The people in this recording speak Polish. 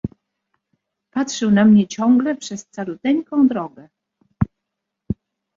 "Patrzył na mnie ciągle, przez caluteńką drogę."